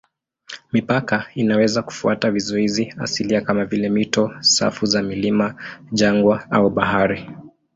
Mipaka inaweza kufuata vizuizi asilia kama vile mito, safu za milima, jangwa au bahari.